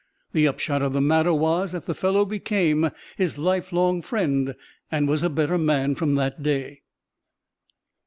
The upshot of the matter was that the fellow became his life long friend, and was a better man from that day."